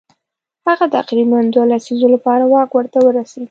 هغه تقریبا دوو لسیزو لپاره واک ورته ورسېد.